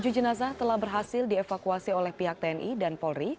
tujuh jenazah telah berhasil dievakuasi oleh pihak tni dan polri